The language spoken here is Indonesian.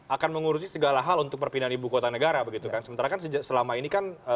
akan mengurusi segala hal untuk perpindahan ibu kota negara begitu kan sementara kan sejak selama ini kan